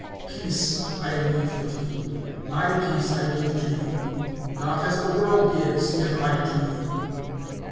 (27)Peace I leave with you, my peace I give to you; not as the world gives, give I to you.